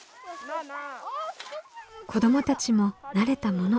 子どもたちも慣れたもの。